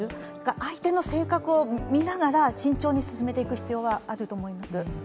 相手の性格を見ながら慎重に進めていく必要はあると思います。